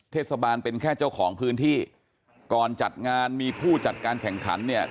เทศบาลเป็นแค่เจ้าของพื้นที่ก่อนจัดงานมีผู้จัดการแข่งขันเนี่ย